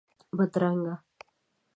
بدرنګه